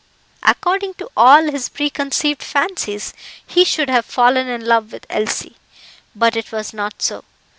According to all his preconceived fancies, he should have fallen in love with Elsie; but it was not so.